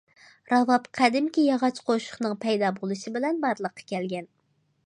راۋاب قەدىمكى ياغاچ قوشۇقنىڭ پەيدا بولۇشى بىلەن بارلىققا كەلگەن.